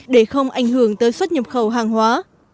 để không ảnh hưởng tới xuất nhập khẩu hàng hóa